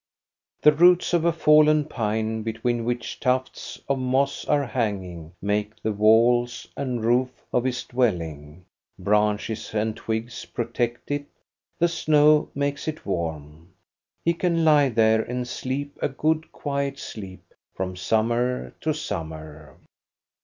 The roots of a fallen pine between which tufts of moss are hanging make the walls and roof of his dwelling, branches and twigs protect it, the snow makes it warm. He can lie there and sleep a good quiet sleep from summer to summer.